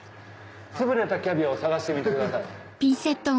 潰れたキャビアを探してみてください。